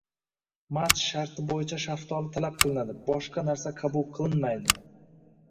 Match sharti bo`yicha shaftoli talab qilinadi, boshqa narsa qabul qilnmaydi